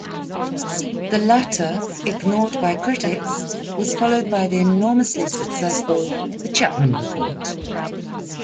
The latter, ignored by critics, was followed by the enormously successful "The Chapman Report".